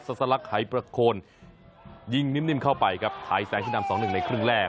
สลักหายประโคนยิงนิ่มเข้าไปครับไทยแซงที่นำสองหนึ่งในครึ่งแรก